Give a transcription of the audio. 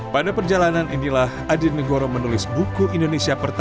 pada perjalanan inilah adi negoro menulis buku indonesia pertama